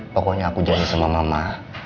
pokoknya aku jadi sama mama